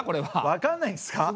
わかんないんですか？